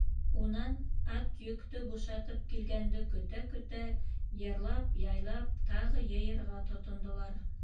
Унан, ат йөктө бушатып килгәнде көтә-көтә, йырлап-яйлап тағы йыйырға тотондолар.